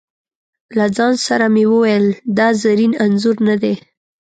له ځانه سره مې وویل: دا زرین انځور نه دی.